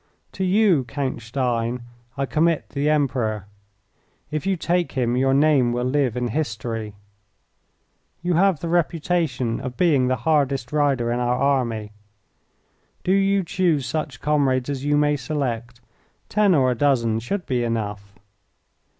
"To you, Count Stein, I commit the Emperor. If you take him your name will live in history. You have the reputation of being the hardest rider in our army. Do you choose such comrades as you may select ten or a dozen should be enough.